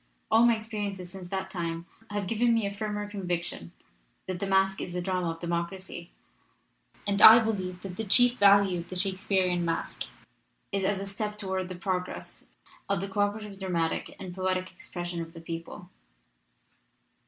All my experiences since that time have given me a firmer conviction that the masque is the drama of democracy, and I believe that the chief value of the Shakespearian masque is as a step forward in the progress of the co operative dramatic and poetic expression of the people.